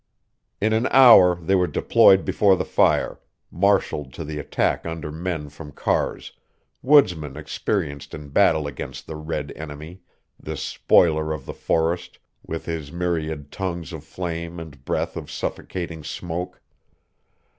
In an hour they were deployed before the fire, marshalled to the attack under men from Carr's, woodsmen experienced in battle against the red enemy, this spoiler of the forest with his myriad tongues of flame and breath of suffocating smoke.